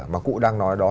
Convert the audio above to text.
mà cụ đang nói đó